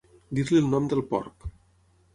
Dir-li el nom del porc.